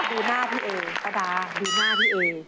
ดูหน้าพี่เอป้าดาดูหน้าพี่เอ